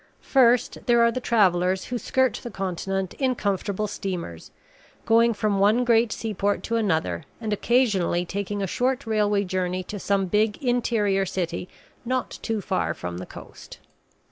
First, there are the travellers who skirt the continent in comfortable steamers, going from one great seaport to another, and occasionally taking a short railway journey to some big interior city not too far from the coast.